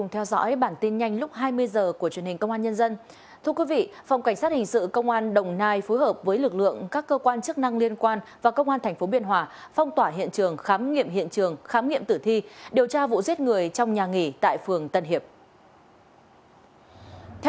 hãy đăng ký kênh để ủng hộ kênh của chúng mình nhé